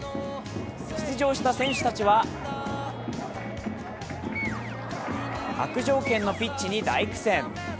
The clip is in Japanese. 出場した選手たちは悪条件のピッチに大苦戦。